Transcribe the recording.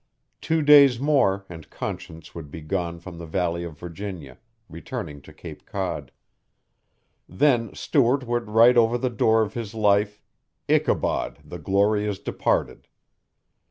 Two days more and Conscience would be gone from the Valley of Virginia returning to Cape Cod. Then Stuart would write over the door of his life "Ichabod, the glory is departed."